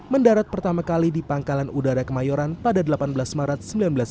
mendarat pertama kali di pangkalan udara kemayoran pada delapan belas maret seribu sembilan ratus sembilan puluh